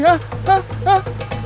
hah hah hah